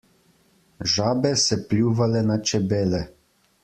Žabe se pljuvale na čebele.